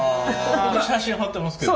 写真貼ってますけど？